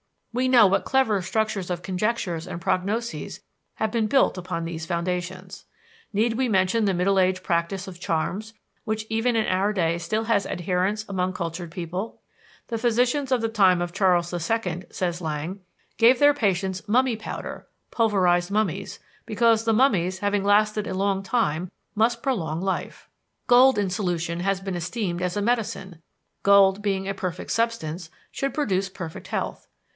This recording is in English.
We know what clever structures of conjectures and prognoses have been built on these foundations. Need we mention the Middle Age practice of charms, which even in our day still has adherents among cultured people? The physicians of the time of Charles II, says Lang, gave their patients "mummy powder" (pulverized mummies) because the mummies, having lasted a long time, must prolong life. Gold in solution has been esteemed as a medicine gold, being a perfect substance, should produce perfect health.